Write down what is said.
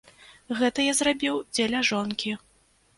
Гэта я зрабіў дзеля жонкі.